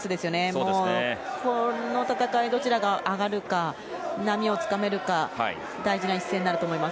もうこの戦いどちらが上がるか波をつかめるか大事な一戦になると思います。